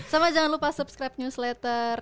sama jangan lupa subscribe newsletter